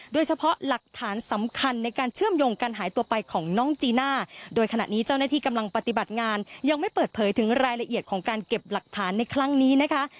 โดยเฉพาะหลักฐานสำคัญในการเชื่อมโยงการหายตัวไปของน้องจีน่าโดยขณะนี้เจ้าหน้าที่กำลังปฏิบัติงานยังไม่เปิดเผยถึงรายละเอียดของการเก็บหลักฐานในครั้งนี้นะคะ